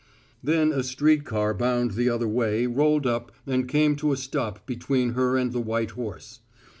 Then a street car bound the other way rolled up and came to a stop between her and the white horse.